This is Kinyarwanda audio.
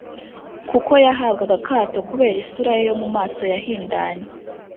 kuko yahabwaga akato kubera isura ye yo mu maso yahindanye